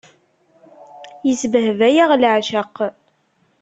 Isbehba-yaɣ leεceq.